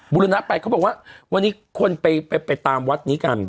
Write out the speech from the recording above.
บุรณะไปเขาบอกว่าวันนี้คนไปตามวัดนี้กัน